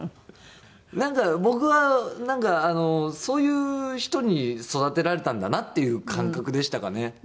なんか僕はなんかそういう人に育てられたんだなっていう感覚でしたかね。